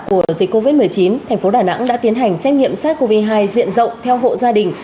của dịch covid một mươi chín thành phố đà nẵng đã tiến hành xét nghiệm sars cov hai diện rộng theo hộ gia đình